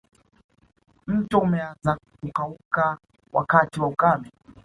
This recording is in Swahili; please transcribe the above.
Mto umeanza kukauka wakati wa ukame